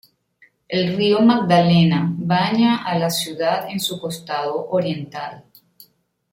El río Magdalena baña a la ciudad en su costado oriental.